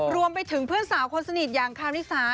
รวมไปถึงเพื่อนสาวคนสนิทอย่างคาริสา